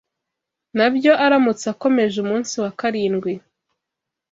na byo aramutse akomeje umunsi wa karindwi